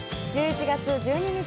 １１月１２日